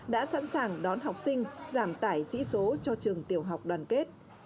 đã sẵn sàng đón học sinh giảm tải sĩ số cho trường tiểu học đoàn kết